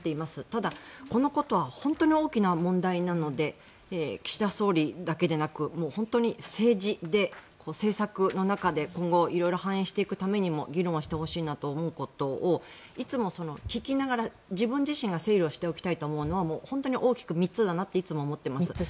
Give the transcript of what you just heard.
ただ、このことは本当に大きな問題なので岸田総理だけでなく本当に政治で政策の中で今後、色々反映していくためにも議論をしてほしいなと思うことをいつも聞きながら、自分自身が整理しておきたいなと思うのは本当に大きく３つだなといつも思っています。